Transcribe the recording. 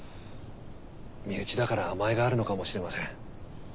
身内だから甘えがあるのかもしれません。